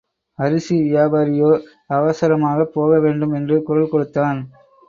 அரிசி வியாபாரியோ அவசரமாகப் போக வேண்டும் என்று குரல் கொடுத்தான்.